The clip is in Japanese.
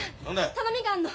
頼みがあるの！